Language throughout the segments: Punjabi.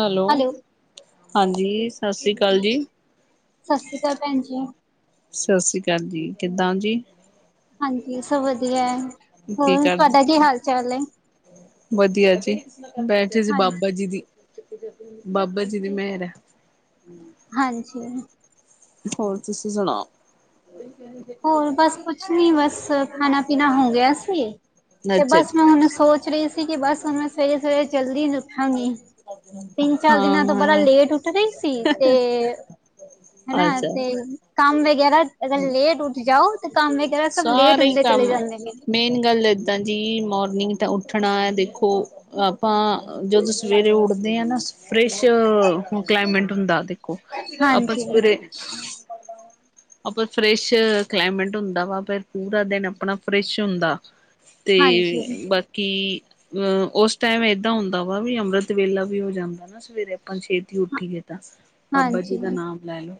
ਹੈਲੋ ਹਾਂਜੀ ਸਾਸਰੀ ਕਾਲ ਜੀ। ਸਾਸਰੀਕਾਲ ਭੈਣ ਜੀ। ਸਾਸਰੀ ਕਾਲ ਜੀ ਕਿੱਦਾਂ ਜੀ। ਹਾਂਜੀ ਸਵ ਵਧੀਆ ਐ। ਕੀ ਕਰਦੇ ਵਧੀਆ ਜੀ, ਬੈਠੇ ਸੀ ਬਾਬਾ ਹਾਂਜੀ, ਜੀ ਦੀ ਬਾਬਾ ਜੀ ਦੀ ਮੈਰ ਐ। ਹਾਂਜੀ। ਹੋਰ ਤੁਸੀਂ ਸੁਣਾਓ। ਹੋਰ ਬਸ ਕੁਛ ਨੀ ਬਸ ਖਾਣਾ ਪੀਣਾ ਹੋ ਗਿਆ ਸੀ। ਤੇ ਅੱਛਾ ਬਸ ਜੀ ਮੈਂ ਹੁਣ ਸੋਚ ਰਈ ਸੀ ਕੀ ਬਸ ਹੁਣ ਮੈਂ ਸਵੇਰੇ ਸਵੇਰੇ ਜਲਦੀ ਹਾਂਜੀ ਤਿੰਨ ਚਾਰ ਦਿਨਾਂ ਤੋਂ ਬੜਾ ਹਾਂ ਲੇਟ ਉੱਠ ਰੀ ਸੀ। ਤੇ ਹਨਾ ਅੱਛਾ ਤੇ ਕੰਮ ਵਗੈਰਾ ਅਗਰ ਲੇਟ ਉੱਠ ਜਾਓ ਓ ਕੰਮ ਵੈਗਰਾ ਸਭ ਲੇਟ ਸਾਰੇ ਹੀ ਹੁੰਦੇ ਚਲੇ ਕੰਮ ਜਾਂਦੇ ਨੇ। ਮੇਨ ਗੱਲ ਇੱਦਾਂ ਜੀ ਮੋਰਨਿੰਗ ਤਾਂ ਉੱਠਣਾ ਆ ਦੇਖੋ ਆਪਾਂ ਜਦੋਂ ਸਵੇਰੇ ਉੱਠਦੇ ਆ ਨਾ ਫਰੈਸ਼ ਕਲਾਈਮੇਟ ਹੁੰਦਾ ਤੇ ਏ ਆਪਾਂ ਹਾਂਜੀ, ਸਵੇਰੇ ਆਪਾਂ ਫਰੈਸ਼ ਕਲਾਈਮੇਟ ਹੁੰਦਾ ਵਾ ਫਿਰ ਪੂਰਾ ਦਿਨ ਆਪਣਾ ਫਰੈਸ਼ ਹੁੰਦਾ। ਤੇ ਹਾਂਜੀ, ਬਾਕੀ, ਅ ਉਸ ਟਾਈਮ ਏਦਾਂ ਹੁੰਦਾ ਵਾ ਵੀ ਅੰਮ੍ਰਿਤ ਵੇਲਾ ਵੀ ਹੋ ਜਾਂਦਾ ਨਾ ਸਵੇਰੇ ਆਪਾਂ ਛੇਤੀ ਹਾਂ- ਉੱਠੀਏ ਤਾਂ ਬਾਬਾ ਜੀ ਹਾਂਜੀ, ਦਾ ਨਾਮ ਲੈਲੋ।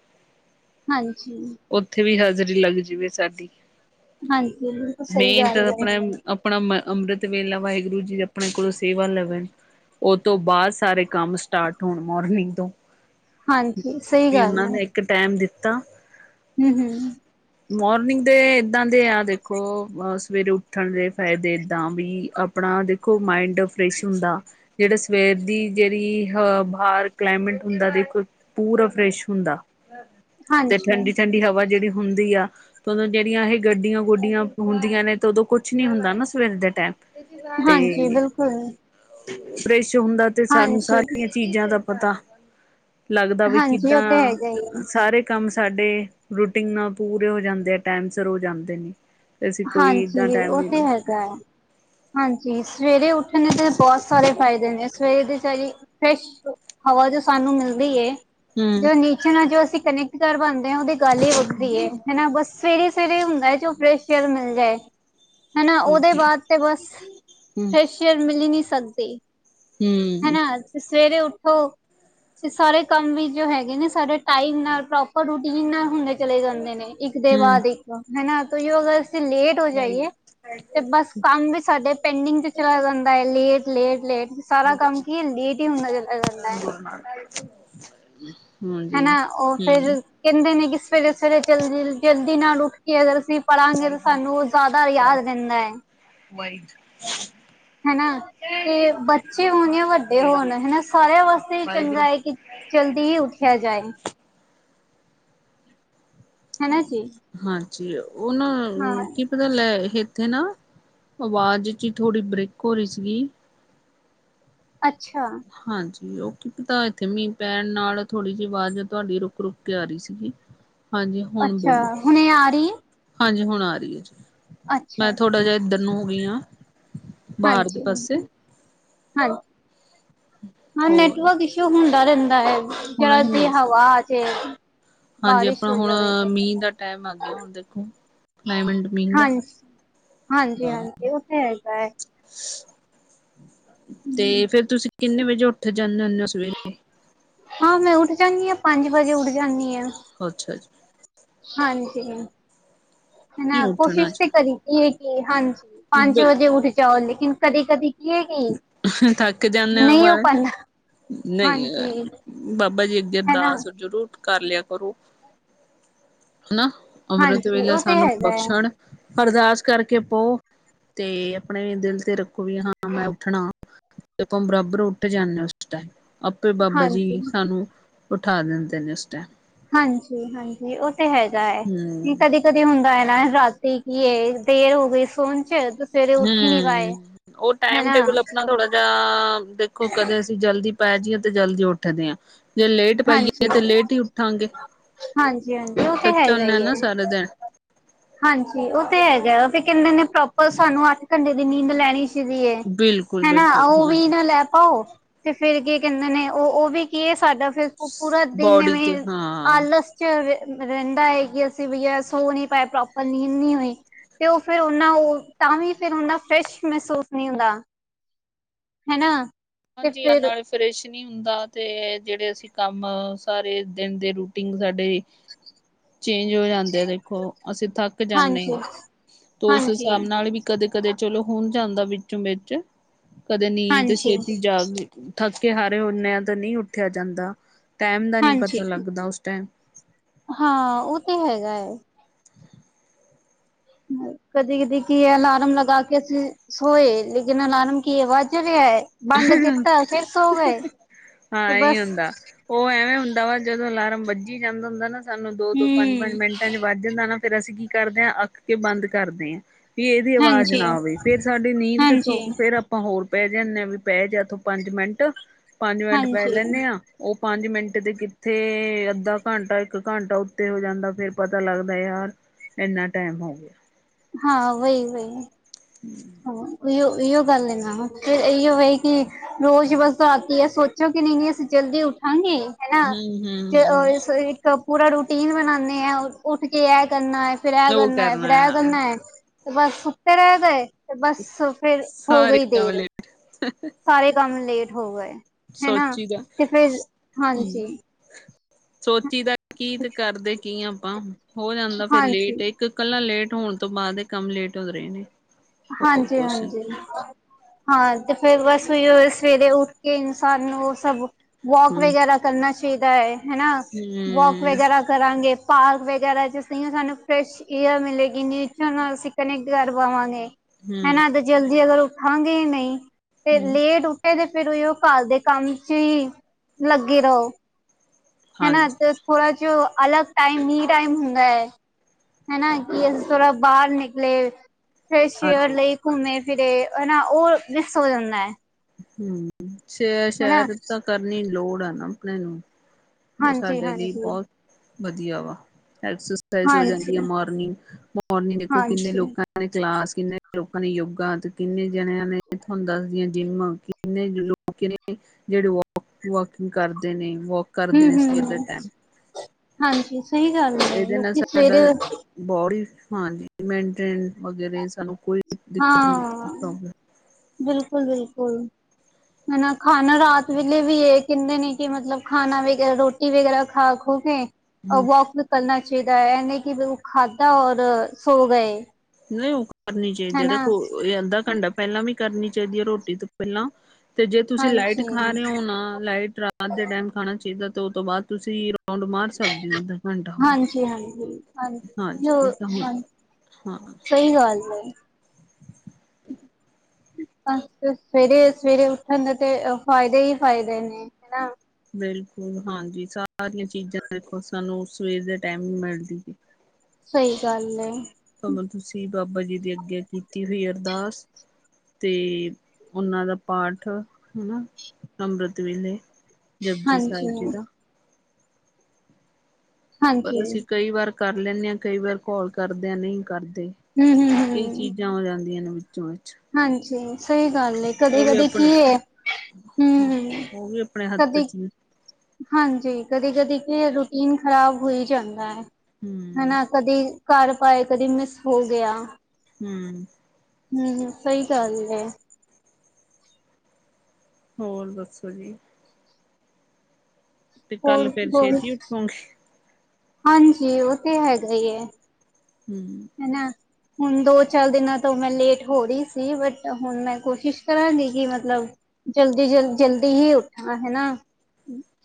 ਹਾਂਜੀ, ਉੱਥੇ ਵੀ ਹਾਜ਼ਰੀ ਲੱਗ ਜਾਵੇ ਸਾਡੀ। ਹਾਂਜੀ ਬਿਲਕੁਲ ਸਹੀ ਮੇਨ ਤਾਂ ਗੱਲ ਐ। ਆਪਣਾ ਆਪਣਾ ਅ ਅੰਮ੍ਰਿਤ ਵੇਲਾ ਵਾਹਿਗੁਰੂ ਜੀ ਆਪਣੇ ਕੋਲੋਂ ਸੇਵਾ ਲ ਉਹ ਤੋਂ ਬਾਦ ਸਾਰੇ ਕੰਮ ਸਟਾਟ ਹੋਣ ਮੋਰਨਿੰਗ ਤੋਂ ਹਾਂਜੀ ਸਹੀ ਵੀ ਉਹਨਾਂ ਨੇ ਇੱਕ ਟੈਮ ਦਿੱਤਾ। ਹੂੰ-ਹੂੰ, ਮੋਰਨਿੰਗ ਦੇ ਏਦਾਂ ਦੇ ਆ ਦੇਖੋ ਸਵੇਰੇ ਉੱਠਣ ਦੇ ਫਾਇਦੇ ਏਦਾਂ ਵੀ ਆਪਣਾ ਦੇਖੋ ਮਾਇੰਡ ਫਰੈਸ਼ ਹੁੰਦਾ। ਜਿਹੜਾ ਸਵੇਰ ਦੀ ਜਿਹੜੀ ਅਹ ਬਾਰ ਕਲਾਈਮੇਟ ਹੁੰਦਾ ਦੇਖੋ। ਪੂਰਾ ਫਰੈਸ਼ ਹੁੰਦਾ, ਤੇ ਹਾਂਜੀ ਠੰਡੀ ਠੰਡੀ ਹਵਾ ਜਿਹੜੀ ਹੁੰਦੀ ਆ। ਉਦੋਂ ਜਿਹੜੀਆ ਇਹ ਗੱਡੀਆਂ ਗੁੱਡੀਆਂ ਹੁੰਦੀਆਂ ਨੇ, ਤੇ ਉਦੋਂ ਕੁਛ ਨੀ ਨਾ ਸਵੇਰ ਦੇ ਟੈਮ ਹਾਂਜੀ ਬਿਲਕੁਲ। ਫਰੈਸ਼ ਹੁੰਦਾ ਤੇ ਸਾਨੂੰ ਹਾਂਜੀ ਸਾਰੀਆਂ ਚੀਜ਼ਾਂ ਦਾ ਪਤਾ ਲੱਗਦਾ ਵੀ ਹਾਂਜੀ ਉਹ ਤੇ ਕਿੱਦਾਂ, ਹੈਗਾ ਹੀ ਹੈ ਸਾਰੇ ਕੰਮ ਸਾਡੇ, ਰੂਟੀਨ ਨਾਲ ਪੂਰੇ ਹੋ ਜਾਂਦੇ ਆ ਟਾਈਮ ਸਿਰ ਹੋ ਜਾਂਦੇ ਨੇ। ਤੇ ਅਸੀਂ ਕੋਈ ਇੱਦਾਂ ਹਾਂਜੀ ਟਾਈਮ ਉਹ ਤੇ ਦੇਣਾ ਹੈਗਾ ਹਾਂਜੀ ਸਵੇਰੇ ਉੱਠਣ ਤੇ ਬਹੁਤ ਸਾਰੇ ਫਾਇਦੇ ਨੇ। ਸਵੇਰ ਦੇ ਤਾਜੀ, ਫਰੈਸ਼ ਹਵਾ ਜੋ ਸਾਨੂੰ ਮਿਲਦੀ ਏ ਹੂੰ ਜੋ ਨੀ ਪੰਛੀਆ ਨਾਲ ਅਸੀਂ ਕਨੈਕਟ ਕਰ ਪਾਂਦੇ ਉਹਦੀ ਗੱਲ ਈ ਵੱਖਰੀ ਏ ਹਨਾ ਬਸ ਸਵੇਰੇ ਸਵੇਰੇ ਹੁੰਦਾ ਐ ਜੋ ਫਰੈਸ਼ ਸ਼ਾਇਦ ਮਿਲ ਜਾਏ, ਹਨਾ ਉਹਦੇ ਹਾਂਜੀ ਬਾਅਦ ਤੇ ਬਸ, ਹੂੰ ਫਸ਼ ਫੇਰ ਮਿਲੀ ਨੀ ਸਕਦੀ, ਹੂੰ ਹਨਾ ਤੇ ਸਵੇਰੇ ਉੱਠੋ ਤੇ ਸਾਰੇ ਕੰਮ ਵੀ ਜੋ ਹੈਗੇ ਨੇ ਸਾਰੇ ਟਾਈਮ ਨਾਲ ਪ੍ਰੋਪਰ ਰੂਟੀਨ ਨਾਲ ਹੁੰਦੇ ਚਲੇ ਜਾਂਦੇ ਨੇ ਇੱਕ ਦੇ ਹੂੰ ਬਾਅਦ ਇੱਕ ਹਨਾ ਤਾਂ ਜੋ ਅਗਰ ਅਸੀਂ ਲੇਟ ਹੋ ਜਾਈਏ, ਵਾਹਿਗੁਰੂ ਤੇ ਬਸ ਕੰਮ ਵੀ ਸਾਡੇ ਪੈਂਡਿੰਗ ਚ ਚਲਾ ਜਾਂਦਾ ਏ ਲੇਟ-ਲੇਟ-ਲੇਟ ਜਾਂਦਾ ਹੈ [inaudible] ਹਨਾ ਉਹ ਫਿਰ ਹੂੰ ਕਹਿੰਦੇ ਨੇ ਕਿ ਸਵੇਰੇ-ਸਵੇਰੇ ਜਲਦੀ-ਜਲਦੀ ਨਾਲ ਉੱਠ ਕੇ ਅਗਰ ਅਸੀਂ ਪੜਾਂਗੇ ਵਾਹਿਗੁਰੂ ਸਾਨੂੰ ਜ਼ਿਆਦਾ ਯਾਦ ਰਹਿੰਦਾ ਐ। [inaudible] ਹਨਾ, ਤੇ ਬੱਚੇ ਹੋਣ ਜਾ ਵੱਡੇ ਹੋਣ ਵਾਹਿਗੁਰੂ ਹਨਾ ਸਾਰਿਆਂ ਵਾਸਤੇ ਵਾਹਿਗੁਰੂ ਚੰਗਾ ਕਿ ਜਲਦੀ ਹੀ ਉਠਿਆ ਜਾਏ, ਹਨਾ ਜੀ। ਹਾਂਜੀ, ਉਨਾ ਹਾਂ ਨਾਲ ਕੀ ਪਤਾ ਲੈ ਇੱਥੇ ਨਾ, ਆਵਾਜ਼ 'ਚ ਥੋੜ੍ਹੀ ਬਰਕ ਹੋ ਰੀ ਸੀਗੀ। ਅੱਛਾ, ਹਾਂਜੀ, ਉਹ ਤਾ ਇੱਥੇ ਮੀਂਹ ਪੈਣ ਨਾਲ ਥੋੜ੍ਹੀ ਜੀ ਆਵਾਜ਼ ਤੁਹਾਡੀ ਰੁਕ-ਰੁਕ ਕੇ ਆ ਰੀ ਸੀਗੀ ਹਾਂਜੀ ਹੁਣ ਅੱਛਾ ਬੋਲੋ ਹੁਣੇ ਆ ਰੀ ਐ ਹਾਂਜੀ ਹੁਨ ਆ ਰੀ ਏ, ਅੱਛਾ ਮੈਂ ਥੋੜ੍ਹਾ ਜੇਆ ਇਦੱਰ ਨੂੰ ਹੋ ਗਈ ਆ। ਹਾਂਜੀ-ਹਾਂਜੀ, ਹਾਂ, ਹਾਂ ਹੋਰ ਨੈਟਵਰਕ ਕਿਉਂ ਹੁੰਦਾ ਰੈਂਦਾ ਐ, ਹੁਣ ਜਰਾ ਇਹ ਦੀ ਮੌਸਮ ਹਵਾ ਆ ਜੇ, ਬਾਰਿਸ਼ ਹੋ ਜਾਵੇ ਤੇ ਟੈਮ ਆ ਗਿਆ ਹੁਨ ਦੇਖੋ ਕਲਾਈਮੇਟ ਮੀਂਹ ਦਾ ਹਾਂਜੀ, ਹਾਂਜੀ- ਹਾਂਜੀ, ਉਹ ਤੇ ਹੈਗਾ ਐ। 'ਤੇ ਫੇਰ ਤੁਸੀਂ ਕਿੰਨੇ ਵਜੇ ਉੱਠ ਜਾਂਨੇ ਹੁੰਨੇ ਓ ਸਵੇਰੇ? ਹਾਂ, ਮੈਂ ਉੱਠ ਜਾਨੀ ਆ, ਪੰਜ ਵਜੇ ਉੱਠ ਜਾਨੀ ਆ। ਅੱਛਾ ਜੀ। ਹਾਂਜੀ, ਨਹੀਂ ਹਨਾ? ਉੱਠਣਾ ਕੋਸ਼ਿਸ਼ ਤੇ ਜੀ ਕਰੀ ਦੀ ਕਿ ਹਾਂਜੀ। ਪੰਜ ਵਜੇ ਉਠ ਜਾਓ, ਲੇਕਿਨ ਕਦੀ-ਕਦੀ ਕੀ ਏ ਕੀ, ਨਈਂ ਹੋ ਪਾਂਦਾ। ਨਈ ਏਅ, ਬਾਬਾ ਜੀ ਅੱਗੇ ਹਨਾ ਅਰਦਾਸ ਜ਼ਰੂਰ ਕਰ ਲਿਆ ਕਰੋ, ਹਨਾ? ਅੰਮ੍ਰਿਤ ਹਾਂਜੀ ਵੇਲਾ ਉਹ ਤੇ ਸਾਨੂੰ ਹੈਗਾ ਹੈ ਬਖਸ਼ਨ। ਅਰਦਾਸ ਕਰਕੇ ਪਓ। 'ਤੇ ਆਪਨੇ ਦਿਲ ਤੇ ਰੱਖੋ ਵੀ ਹਾਂ ਮੈਂ ਉੱਠਨਾ, ਤੇ ਆਪਾਂ ਬਰਾਬਰ ਉੱਠ ਜਾਂਨੇ ਆ। ਟੈਮ, ਆਪੇ ਬਾਬਾ ਜੀ ਹਾਂਜੀ ਸਾਨੂੰ, ਉਠਾ ਦਿੰਦੇ ਨੇ ਉਸ ਟੈਮ। ਹਾਂਜੀ- ਹਾਂਜੀ, ਉਹ ਤੇ ਹੈਗਾ ਐ। ਹੂੰ ਕਦੀ ਕਦੀ ਹੁੰਦਾ ਐ ਨਾ ਰਾਤੀ ਕੀ ਏ, ਦੇਰ ਹੋ ਗਈ ਸੋਨ ਚ ਸਵੇਰੇ ਉੱਠ ਹੀ ਨੀ ਪਾਏ। ਹੂੰ, ਉਹ ਟਾਈਮ- ਹੈਨਾ ਟੇਬਲ ਆਪਨਾ ਥੋੜਾ ਜਿਹਾ, ਦੇਖੋ ਕਦੇ ਅਸੀਂ ਜਲਦੀ ਪੈ ਜਈਏ ਤੇ ਜਲਦੀ ਉੱਠਦੇ ਆ, ਜੇ ਲੇਟ ਪਈਏ ਤੇ ਲੇਟ ਈ ਉਠਾਂਗੇ। ਹਾਂਜੀ- ਹਾਂਜੀ, ਉਹ ਤੇ ਹੈਗਾ ਈ ਐ। ਸਾਰਾ ਦਿਨ ਹਾਂਜੀ, ਉਹ ਤੇ ਹੈਗਾ, 'ਤੇ ਕੈਂਦੇ ਨੇ ਪ੍ਰੋਪਰ ਸਾਨੂੰ ਅੱਠ ਘੰਟੇ ਦੀ ਨੀਂਦ ਲੈਣੀ ਕਿਦੀ ਏ, ਬਿਲਕੁਲ ਹੈਨਾ? ਬਿਲਕੁਲ ਉਹ ਵੀ ਹਾਂਜੀ ਨਾ ਲੈ ਪਾਓ। 'ਤੇ ਫੇਰ ਕੀ ਕੈਂਦੇ ਨੇ ਉਹ? ਉਹ ਵੀ ਕੀ ਏ, ਸਾਡਾ ਫਿਰ ਉਹ ਪੂਰਾ ਦਿਨ ਬੋਡੀ ਤੇ ਵੇਂ, ਹਾਂ ਆਲਸ 'ਚ ਰ-ਰੈਂਦਾ ਏ ਕਿ ਅਸੀਂ ਭਈਆ ਸੋ ਨੀ ਪਾਏ, ਪ੍ਰੋਪਰ ਨੀਂਦ ਨੀ ਹੋਈ। 'ਤੇ ਓ ਫਿਰ ਉਨਾਂ ਉਹ, ਤਾਂ ਵੀ ਫਿਰ ਉਨਾਂ ਫ਼ਰੈਸ ਮੈਸੂਸ ਨੀ ਹੁੰਦਾ ਹੈਨਾ? ਹਾਂਜੀ, ਅਨਾੜਿਸ [unintelligible] ਫਰੈਸ਼ ਨੀ ਹੁੰਦਾ, 'ਤੇ ਜੇੜੇ ਅਸੀਂ ਕੰਮ ਸਾਰੇ ਦਿਨ ਦੇ ਰੂਟੀਨ ਸਾਡੇ ਚੇਂਜ ਹੋ ਜਾਂਦੇ ਆ ਦੇਖੋ, ਅਸੀਂ ਥੱਕ ਜਾਂਨੇ ਹਾਂਜੀ, ਆ, 'ਤੇ ਉਸ ਹਾਂਜੀ, ਹਿਸਾਬ ਨਾਲ ਵੀ ਕਦੇ-ਕਦੇ ਚਲੋ ਹੁਨ ਜਾਂਦਾ ਵਿੱਚੋਂ-ਵਿੱਚ, ਕਦੇ ਨੀਂਦ ਤੇ ਹਾਂਜੀ, ਸੇਤੀ ਜਾਗ ਈ ਥੱਕੇ-ਹਾਰੇ ਹੁੰਨੇ ਆ ਤਾਂ ਨਈ ਉਠਿੱਆ ਜਾਂਦਾ, ਟੈਮ ਦਾ ਨੀ ਪਤਾ ਹਾਂਜੀ। ਲੱਗਦਾ ਉਸ ਟੈਮ। ਹਾਂ, ਉਹ ਤੇ ਹੈਗਾ ਐ। ਕਦੀ-ਕਦੀ ਕੀ ਐ ਅਲਾਰਮ ਲਗਾ ਕੇ ਅਸੀਂ ਸੋਏ, ਲੇਕਿਨ ਅਲਾਰਮ ਕੀ ਵੱਜ ਰਿਐ? ਬੰਦ ਟਾਈਮ ਕੀਤਾ ਹੋਇਆ ਸੀ ਸੋ ਗਏ, ਹਾਂ 'ਤੇ ਇਹੀ ਬਸ। ਹੁੰਦਾ। ਉਹ ਐਵੇਂ ਹੁੰਦਾ ਵਾ, ਜਦੋਂ ਅਲਾਰਮ ਵੱਜੀ ਜਾਂਦਾ ਹੁੰਦਾ ਨਾ, ਸਾਨੂੰ ਦੋ-ਦੋ ਪੰਜ-ਪੰਜ ਹਮ ਮਿੰਟਾਂ ਚ ਵੱਜਦਾ ਨਾ, ਫੇਰ ਅਸੀਂ ਕੀ ਕਰਦੇ ਆ? ਅੱਕ ਕੇ ਬੰਦ ਕਰਦੇ ਆ। ਬਈ ਇਹਦੀ ਆਵਾਜ਼ ਹਾਂਜੀ ਨਾ ਆਵੇ, ਫੇਰ ਸਾਡੀ ਨੀਂਦ ਹਾਂਜੀ ਕਿਥੋਂ? ਫੇਰ ਆਪਾਂ ਹੋਰ ਪੈ ਜਾਂਨੇ ਆ ਵੀ। ਪੈ ਜਾ ਤੂੰ ਪੰਜ ਮਿੰਟ, ਪੰਜ ਮਿੰਟ ਪੈ ਹਾਂਜੀ ਲੈਂਨੇ ਆ। ਉਹ ਪੰਜ ਮਿੰਟ ਤੇ ਕਿੱਥੇ, ਅੱਧਾ ਘੰਟਾ ਇੱਕ ਘੰਟਾ ਉੱਤੇ ਹੋ ਜਾਂਦਾ, ਫੇਰ ਪਤਾ ਲੱਗਦਾ ਯਾਰ। ਐੰਨਾ ਟਾਈਮ ਹੋ ਗਿਆ। ਹਾਂ, ਵਈ-ਵਈ। ਹੂੰ। ਹਾਂ, ਅਈਓ-ਅਈਓ ਗੱਲ ਏ ਨਾ, ਫਿਰ ਅਈਓ ਹੈ ਕਿ ਰੋਜ਼ ਬਸ ਆਤੀ ਐ ਸੋਚੋ ਕਿ, ਨਈ -ਨਈ, ਅਸੀਂ ਜਲਦੀ ਉਠਾਂਗੀ। ਹੈਨਾ ਹਮ ਹਮ [unintelligible] ਇੱਕ ਪੂਰਾ ਰੂਟੀਨ ਬਣਾਨੇ ਆ ਉੱਠ ਕੇ ਐ ਕਰਨਾ ਫਿਰ ਐ ਉਹ ਕਰਨਾ ਏ, ਫਿਰ ਐ ਹੈ ਕਰਨਾ ਏ ਤੇ ਬਸ ਸੁੱਤੇ ਰਏ ਦੇ ਤੇ ਬਸ ਫਿਰ ਹੋ ਸਾਰੇ ਗਈ ਦੇਰ, ਕਮਲੇ ਸਾਰੇ ਕੰਮ ਲੇਟ ਹੋ ਗਏ। ਹੈਨਾ ਸੋਚੀ ਦਾ ਤੇ ਫਿਰ ਹਮ ਹਾਂਜੀ। ਸੋਚੀ ਦਾ ਕੀ ਤੇ, ਕਰਦੇ ਕੀ ਆ ਆਪਾਂ ਹੋ ਜਾਂਦਾ ਫਿਰ ਹਾਂਜੀ ਲੇਟ [unintelligible] ਕੇ ਕੱਲਾ ਲੇਟ ਹੋਣ ਤੋਂ ਬਾਦ ਏ ਕੰਮ ਲੇਟ ਹੋ ਰੇ ਨੇ। ਹੋਰ ਕੁਛ ਨੀ ਹਾਂਜੀ-ਹਾਂਜੀ। ਹਾਂ, ਤੇ ਫੇਰ ਬਸ ਓਈਓ ਸਵੇਰੇ ਉੱਠ ਕੇ ਇਨਸਾਨ ਨੂੰ ਸਭ ਵੋਕ ਹੂੰ ਵਗੈਰਾ ਕਰਨਾ ਚਾਈਦਾ ਏ ਹਨਾ ਵੋਕ ਹੂੰ ਵਗੈਰਾ ਕਰਾਂਗੇ, ਪਾਰਕ ਵਗੈਰਾ [unintelligible] ਸਾਨੂੰ ਫਰੈਸ਼ ਏਅਰ ਮਿਲੇਗੀ ਨੇਚਰ ਨਾਲ ਅਸੀ ਕਨੈਕਟ ਕਰ ਪਾਵਾਂਗੇ। ਹੂੰ ਹੈਨਾ ਤੇ ਜਲਦੀ ਅਗਰ ਉੱਠਾਂ ਗੇ ਨਈ ਤੇ ਹੂੰ ਲੇਟ ਉ ਏ ਤੇ ਫਿਰ ਓਈਓ ਘਰ ਦੇ ਕੰਮ ਚ ਈ ਲੱਗੇ ਰੋ। ਹੈਨਾ ਹਾਂਜੀ ਤੇ ਥੋੜ੍ਹਾ ਚੋ ਅਲੱ ਟਾਈਮ ਈ ਟਾਈਮ ਹੁੰਦਾ ਏ ਹਨਾ ਕੀ ਅਸੀ ਥੋੜਾ ਬਾਰ ਨਿਕਲੇ ਫੇਸਿਅਰ ਹਾਂਜੀ ਲਈ ਘੁੰਮੇ-ਫਿਰੇ ਹਨਾ ਓ ਮਿਸ ਹੋ ਜਾਂਦੈ। ਹੂੰ ਸ ਸੈਰ ਤਾਂ ਕਰਨੀ ਲੋੜ ਐ ਨਾ [unintelligible] ਨੂੰ। ਜੋ ਹਾਂਜੀ ਸਾਡੇ ਲਈ ਹਾਂਜੀ ਬੋ ਵਧੀਆ ਵਾ, ਐਕਸਸਈਜ਼ ਹੋ ਜਾਂਦੀ ਆ ਹਾਂਜੀ ਮੋਰਨਿੰਗ, ਮੋਰਨਿੰਗ ਦੇਖੋ ਕਿੰਨੇ ਹਾਂਜੀ ਲੋਕਾਂ [unintelligible] ਕਲਾਸ ਕਿੰਨੇ ਲੋਕਾਂ ਨੇ ਯੋਗਾ ਤੇ ਕਿੰਨੇ ਜਣਿਆਂ ਨੇ ਤੁਹਾਨੂੰ ਦੱਸਦੀਆਂ ਜਿੰਮ, ਕਿੰਨੇ ਲੋਕ ਨੇ ਜੇੜੇ ਵੋਕ ਵੋਕਿੰਗ ਕਰਦੇ ਨੇ ਵੋ ਹੂੰ-ਹੂੰ ਹਾਂਜੀ ਸਈ ਗੱਲ ਐ ਇਹਦੇ ਨਾਲ ਲੋਕੀ ਸਾਡਾ ਸਵੇਰੇ ਬੋਡੀ [inaudible] ਹਾਂਜੀ, ਮਨਟੈਨ ਮਗਰ ਏ ਸਾਨੂੰ ਕੋਈ ਦਿੱਕਤ [unintelligible] ਬਿਲਕੁੱਲ-ਬਿਲਕੁੱਲ। ਹਨਾ ਖਾਣਾ ਰਾਤ ਵੇਲੇ ਵੀ ਏ ਕੈਂਦੇ ਨੇ ਕੀ ਮਤਲਬ ਖਾਣਾ ਵੈਗੇ ਰੋ ਟੀ ਵਗੈਰਾ ਖਾ-ਖੂ ਕੇ ਹੂੰ ਓ ਵੋਕ ਵੀ ਕਰਨਾ ਚਾਈਦੈ ਐ ਨੀ ਕੀ ਖਾਧਾ ਔਰ ਸੌ ਗਏ। ਨਈ [unintelligible] ਕਰਨੀ ਚਾਈਦੀ ਆ ਹਨਾ ਦੇਖੋ, ਅੱਧਾ ਘੰਟਾ ਪੈਲਾਂ ਵੀ ਕਰਨੀ ਚਾਈਦੀ ਆ ਰੋਟੀ ਤੋਂ ਪੈਲਾ ਤੇ ਜੇ ਤੁਸੀਂ ਲਾਈਟ ਹਾਂਜੀ ਖਾਰੇ ਓ ਨਾ ਲਾਈਟ ਰਾ ਰਾਤ ਦੇ ਟੈਮ ਖਾਣਾ ਚਾਈਦਾ ਤੇ, ਓ ਤੋ ਬਾਦ ਤੁਸੀ ਰੋਂਡ ਮਾਰ ਸਕਦੇ ਉਧਰ ਘੰਟਾ ਹੋਰ। ਹਾਂਜੀ- ਹਾਂਜੀ [unintelligible] ਹਾਂ ਹੁੰਦਾ ਹਾਂ ਸਈ ਗੱਲ ਐ। [inaudible] ਅ [unintelligible] ਸਵੇਰੇ-ਸਵੇਰੇ ਉੱਠਣ ਦੇ ਤੇ ਫਾਇਦੇ ਈ ਫਾਇਦੇ ਨੇ ਹਨਾ। ਬਿਲਕੁੱਲ ਹਾਂਜੀ, ਸਾਰੀਆਂ ਚੀਜ਼ਾਂ ਦੇਖੋ ਸਾਨੂੰ ਸਵੇਰ ਦੇ ਟਾਈਮ ਈ ਮਿਲਦੀ [unintelligible] ਸਈ ਗੱਲ ਏ। ਭਵਾਂ, ਤੁਸੀ ਬਾਬਾ ਜੀ ਦੀ ਅੱਗੇ ਕੀਤੀ ਹੋਈ ਅਰਦਾਸ ਤੇ ਓਨਾਂ ਦਾ ਪਾਠ ਹਨਾ ਅੰਮ੍ਰਿਤ ਵੇਲੇ ਜਪਜੀ ਸਾਇਬ ਹਾਂਜੀ ਜੀ ਦਾ। ਪਰ ਹਾਂਜੀ ਅਸੀ ਕਈ ਵਾਰ ਕਰ ਲੈਨੇ ਆ ਕਈ ਵਾਰ ਘੋਲ ਕਰਦੇ ਆ ਨਈ ਕਰਦੇ ਹਮ ਹਮ ਏ ਹਮ ਚੀ ਜਾਂ ਹੋ ਜਾਂਦੀਆਂ ਨੇ। ਚੋਚ। ਹਾਂਜੀ, ਸਈ ਗੱਲ ਐ ਕਦੇ-ਕਦੇ ਕੀ ਏ ਹ [unintelligible] ਓ ਵੀ ਆਪਣੇ ਹੱਥ ਕਦੇ ਚ ਹਾਂਜੀ, ਕਦੇ-ਕਦੇ ਕੀ ਐ ਰੂਟੀਨ ਖ਼ਰਾਬ ਹੋ ਈ ਜਾਂਦੈ। ਹੂੰ। ਹਨਾ, ਕਦੀ ਘਰ ਪਾਏ ਕਦੀ ਮਿਸ ਹੋ ਗਿਆ। ਹੂੰ ਹੂੰ ਸਹੀ ਗੱਲ ਏ। ਹੋਰ ਦੱਸੋ ਜੀ। ਤੇ ਹੋਰ ਕੱਲ ਫੇਰ ਹੋਰ ਛੇਤੀ ਉੱਠੋਗੇ। ਹਾਂਜੀ, ਉਹ ਤੇ ਹੈਗਾ ਈ ਹੈ। ਹੂੰ ਹਨਾ ਹੁਣ ਦੋ ਚਾਲ ਦਿਨਾਂ ਤੋਂ ਮੈਂ ਲੇਟ ਹੋ ਰਹੀ ਸੀ ਬਟ ਹੁਣ ਮੈਂ ਕੋਸ਼ਿਸ ਕਰਾਗੀ ਕਿ ਮਤਲਬ ਜਲਦੀ ਜਲਦ ਜਲਦੀ ਹੀ ਉੱਠਾ ਹਨਾ।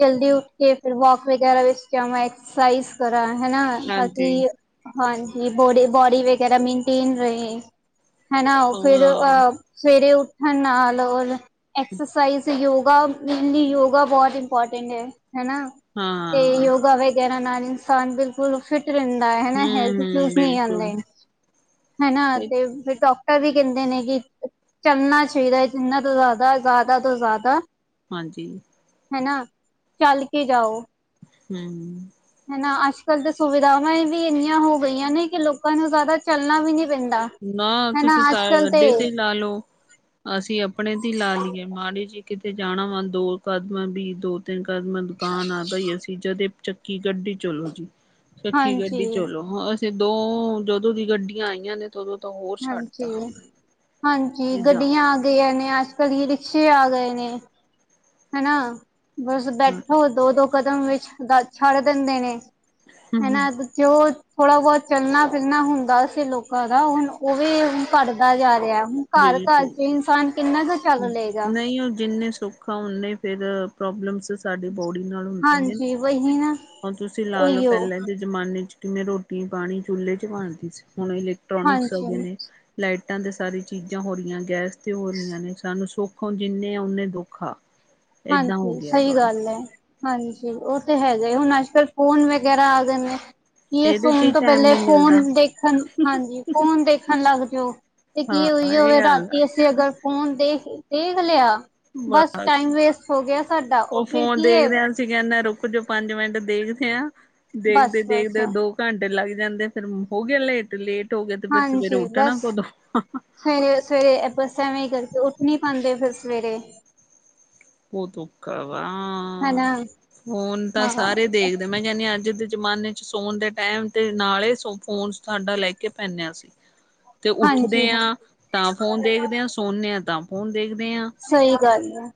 ਜਲਦੀ ਉੱਠ ਕੇ ਫਿਰ ਵੋਕ ਵਗੈਰਾ ਵਿੱਚ ਜਾਵਾਂ, ਐਕਸਰਸਾਈਜ਼ ਕਰਾ ਹਨਾ, ਹਾਂਜੀ ਬਾਕੀ ਹਾਂਜੀ ਥੋਡੀ ਬੋਡੀ ਵਗੈਰਾ ਮੇਨਟੇਨ ਰਹੇ ਹਨਾ, ਉਹ ਫਿਰ ਹਾਂ ਅ ਸਵੇਰੇ ਉੱਠਣ ਨਾਲ ਔਰ ਐਕਸਰਸਾਈਜ਼, ਯੋਗਾ ਮੇਨਲੀ ਯੋਗਾ ਬਹੁਤ ਇੰਪੋਰਟੈਂਡ ਏ ਹਨਾ ਤੇ ਹਾਂ ਹਮ ਯੋਗਾ ਵ ਵਗੈਰਾ ਨਾਲ ਇਨਸਾਨ ਬਿਲਕੁਲ ਫਿੱਟ ਰਹਿੰਦਾ ਹੈ ਹਨਾ, ਹੈਲਥ ਇਸੂ ਹਮ ਨਹੀਂ ਬਿਲਕੁਲ ਆਉਂਦੇ ਹਨਾ ਤੇ ਫਿਰ ਡ ਡਾਕਟਰ ਵੀ ਕਹਿੰਦੇ ਕਿ ਚੱਲਣਾ ਚਾਹੀਦਾ ਜਿੰਨਾ ਤੋਂ ਜ਼ਿਆਦਾ ਜ਼ਿਆਦਾ ਤੋਂ ਜ਼ਿਆਦਾ। ਹਾਂਜੀ ਹੈ ਨਾ, ਚੱਲ ਕੇ ਜਾਓ। ਹੂੰ ਹੈ ਨਾ, ਅੱਜ ਕੱਲ੍ਹ ਤੇ ਸੁਵਿਧਾਵਾਂ ਵੀ ਇੰਨੀਆਂ ਹੋ ਗਈਆਂ ਨੇ ਕਿ ਲੋਕਾਂ ਨੂੰ ਜ਼ਿਆਦਾ ਚੱਲਣਾ ਵੀ ਨੀ ਪੈਂਦਾ। ਨਾ ਹਨਾ ਤੁਸੀਂ ਸ ਅੱਜ ਕੱਲ੍ਹ ਅੱਡੇ ਤੇ ਨਾ ਲਉ। ਅਸੀਂ ਆਪਣੇ ਤੇ ਲਾ ਲਈਏ ਮਾੜੀ ਜੀ ਕਿਤੇ ਜਾਣਾ ਵਾ ਦੋ ਕਦਮਾਂ ਵੀ ਦੋ ਤਿੰਨ ਕਦਮਾਂ ਦੁਕਾਨ ਆ ਬਈ ਅਸੀਂ ਜਦੇ ਚੱਕੀ ਗੱਡੀ ਚਲੋ ਜੀ ਚੱਕੀ ਹਾਂਜੀ ਗੱਡੀ ਚਲੋ ਹਾਂ ਅ ਤੇ ਦੋ ਜਦੋਂ ਦੀ ਗੱਡੀਆਂ ਆਈਆਂ ਨੇ ਤੇ ਉਦੋਂ ਤਾਂ ਹੋਰ ਹਾਂਜੀ ਛੱਡਤਾ। ਹਾਂਜੀ, ਏਦਾਂ ਗੱਡੀਆਂ ਆ ਹਾਂ ਗਈਆਂ ਨੇ ਅੱਜ ਕੱਲ੍ਹ ਈ ਰਿਕਸ਼ੇ ਆ ਗਏ ਨੇ। ਹੈ ਨਾ, ਬਸ ਬੈਠੋ ਦੋ ਦੋ ਕਦਮ ਵਿੱਚ ਘਰ ਛੱਡ ਦਿੰਦੇ ਨੇ। ਹੈ ਹੂੰ ਨਾ ਜੋ ਥੋੜਾ ਬਹੁਤ ਚੱਲਣਾ ਫਿਰਨਾ ਹੁੰਦਾ ਸੀ ਲੋਕਾਂ ਦਾ ਹੁਣ ਉਹ ਵੀ ਹੁਣ ਘੱਟਦਾ ਜਾ ਰਿਹਾ ਹੁਣ ਘਰ ਘਰ ਬਿਲਕੁਲ। 'ਚ ਇਨਸਾਨ ਕਿੰਨਾ ਕੁ ਚੱਲ ਲਏਗਾ ਨਹੀਂ ਉਹ ਜਿੰਨੇ ਸੁਖ ਆ ਉਹਨੇ ਫਿਰ ਪ੍ਰੋਬਲਮਸਿਜ਼ ਸਾਡੀ ਬੌਡੀ ਨਾਲ ਹੁੰਦੇ ਨੇ। ਹਾਂਜੀ ਵਹੀ ਨਾ ਹੁਣ ਤੁਸੀਂ ਲਾ ਲਓ, ਉਹੀਓ ਪਹਿਲਾਂ ਜ ਜ਼ਮਾਨੇ 'ਚ ਕਿਵੇਂ ਰੋਟੀ ਪਾਣੀ ਚੁੱਲੇ 'ਚ ਬਣਦੀ ਸੀ, ਹੁਣ ਇਲੈਕਟ੍ਰੋਨਿਕਸ ਹੋ ਗੇ ਹਾਂਜੀ ਨੇ ਲਾਈਟਾਂ ਤੇ ਸਾਰੀ ਚੀਜ਼ਾਂ ਹੋ ਰਹੀਆਂ, ਗੈਸ ਤੇ ਹੋ ਰਹੀਆਂ ਨੇ ਸਾਨੂੰ ਸੁੱਖ ਜਿੰਨੇ ਆ ਉਨੇ ਦੁੱਖ ਆ। ਏਦਾਂ ਹੋ ਹਾਂਜੀ, ਗਿਆ ਸਹੀ ਵਾ ਗੱਲ ਹੈ। ਹਾਂਜੀ, ਉਹ ਤੇ ਹੈਗਾ ਈ ਹੁਣ ਅੱਜ ਕੱਲ੍ਹ ਫੋਨ ਵਗੈਰਾ ਆ ਗਏ ਨੇ। ਕੀ ਇਹਦੇ 'ਚ ਸੋਣ ਹੀ ਤੋਂ ਟਾਈਮ ਪਹਿਲੇ ਨੀ ਮਿਲਦਾ ਫੋਨ ਦੇਖਣ ਹਾਂਜੀ ਫੋਨ ਦੇਖਣ ਲੱਗ ਜਾਓ। ਤੇ ਹਾਂ ਕੀ ਉਹੀਉ ਇਹ ਹੋਵੇ ਗੱਲ ਆ ਰਾਤੀ ਅਸੀਂ ਅਗਰ ਫੋਨ ਦੇਖ ਦੇਖ ਲਿਆ, ਬਸ ਟਾਈਮ ਵੇਸਟ ਹੋ ਗਿਆ ਸਾਡਾ ਉਹ ਫੇਰ ਫੋਨ ਕੀ ਐ ਦੇਖਦੇ ਹਾਂ ਅਸੀਂ ਕਹਿੰਦੇ ਰੁਕ ਜੋ ਪੰਜ ਮਿੰਟ ਦੇਖਦੇ ਆ ਦੇਖਦੇ ਬਸ ਬਸ ਦੇਖਦੇ ਦੋ ਘੰਟੇ ਲੱਗ ਜਾਂਦੇ ਫੇਰ ਹੋਗੇ ਲੇਟ, ਲੇਟ ਹੋ ਗਏ ਤੇ ਫਿਰ ਸਵੇਰੇ ਹਾਂਜੀ ਉੱਠਣਾ ਬਸ ਕਦੋਂ ਆ। ਸਵੇਰੇ ਸਵੇਰੇ ਬੱਸ ਐਵੇ ਹੀ ਕਰਕੇ ਉੱਠ ਨਹੀਂ ਪਾਂਦੇ ਫਿਰ ਸਵੇਰੇ। ਬੋਤ ਔਖਾ ਵਾ। ਹਨਾ ਫੋਨ ਤਾਂ ਹਾਂ ਸਾਰੇ ਦੇਖਦੇ। ਮੈਂ ਕਹਿੰਨੀ ਹਾਂ ਅੱਜ ਦੇ ਜਮਾਨੇ'ਚ ਸੋਣ ਦੇ ਟੈਮ ਤੇ ਨਾਲੇ ਈ ਸ ਫੋਨ ਸਾਡਾ ਲੈ ਕੇ ਪੈਣੇ ਆ ਅਸੀ। ਤੇ ਹਾਂਜੀ ਉੱਠਦੇ ਹਾਂ ਆਂ ਤਾਂ ਫੋਨ ਦੇਖਦੇ ਆਂ ਸੌਣੇ ਆ ਤਾਂ ਫੋਨ ਦੇਖਦੇ ਆਂ। ਸਈ ਗੱਲ ਐ।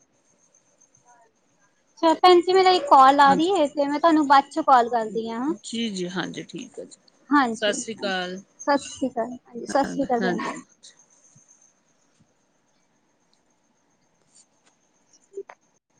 ਅੱਛਾ ਪੈਨ ਜੀ ਮੇਰਾ ਇੱਕ ਕਾਲ ਆ ਹਾਂਜੀ ਰਹੀ ਹੈ ਤੇ ਮੈਂ ਤੁਆਨੂੰ ਬਾਦ ਚੋਂ ਕਾਲ ਕਰਦੀ ਆ ਹਾਂ। ਜੀ ਜੀ ਹਾਂਜੀ ਠੀਕ ਹੈ ਜੀ ਸਤਿ ਹਾਂਜੀ, ਸ਼੍ਰੀ ਅਕਾਲ ਸਤਿ ਸ੍ਰੀ ਅਕਾਲ ਸਤਿ ਸ਼੍ਰੀ ਅਕਾਲ ਪੈਨ ਹਾਂਜੀ ਜੀ। [inaudible]